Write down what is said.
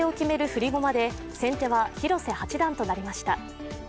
振り駒で先手は広瀬八段となりました。